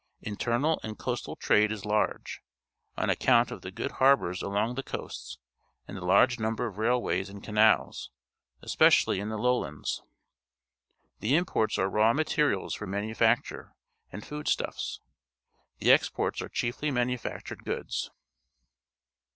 Inter nal and coastal trade is large, on account of the good harbours along the coasts and the large number of railways and canals, especially in the Lowlands. The imports are raw materials for manufacture and food stuffs. T"Eeexports are chiefly manufactured goods.